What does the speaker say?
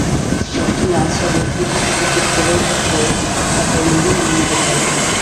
তিনি আনসার ও VDP cricket দলের হয়ে ঢাকায় লিগে নিয়মিত খেলেন।